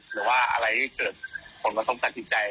หรือว่าอะไรเกิดผลกระทบกันที่ใจ